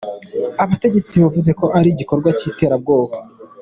Abategetsi bavuze ko ari igikorwa cy'iterabwobwa.